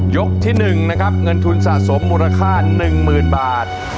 ยกที่หนึ่งนะครับเงินทุนสะสมมูลค่าหนึ่งหมื่นบาท